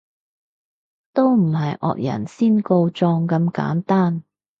都唔係惡人先告狀咁簡單